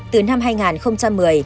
từ năm hai nghìn một mươi